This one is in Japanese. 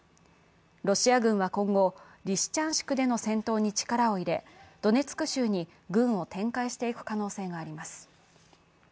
ロシア軍は今後、リシチャンシクでの戦闘に力を入れドネツク州に軍を展開していく可能性があります。